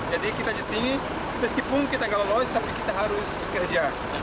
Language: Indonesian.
jadi kita di sini meskipun kita gak lolos tapi kita harus kerja